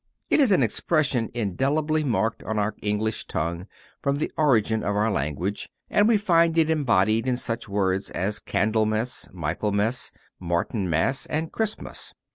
It is an expression indelibly marked on our English tongue from the origin of our language, and we find it embodied in such words as Candlemas, Michaelmas, Martin mas and Christmas.